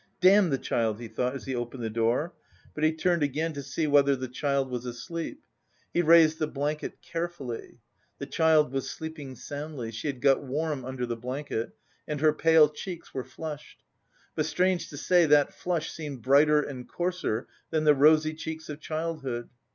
"Damn the child!" he thought as he opened the door, but he turned again to see whether the child was asleep. He raised the blanket carefully. The child was sleeping soundly, she had got warm under the blanket, and her pale cheeks were flushed. But strange to say that flush seemed brighter and coarser than the rosy cheeks of childhood.